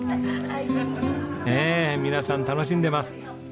皆さん楽しんでます。